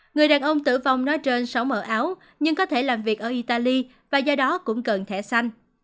người đàn ông tử vong nói trên sáu mẫu áo nhưng có thể làm việc ở italy và do đó cũng cần thẻ xanh